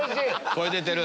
声出てる！